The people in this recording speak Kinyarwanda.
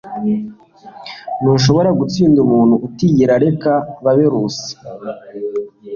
ntushobora gutsinda umuntu utigera areka. - babe rusi